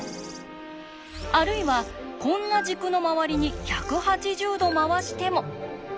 あるいはこんな軸の周りに１８０度回しても。